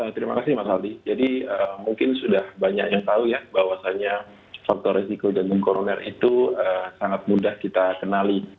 terima kasih mas aldi jadi mungkin sudah banyak yang tahu ya bahwasannya faktor resiko jantung koroner itu sangat mudah kita kenali